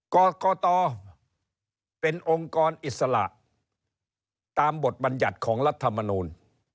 กรกตเป็นองค์กรอิสระตามบทบัญญัติของรัฐมนูล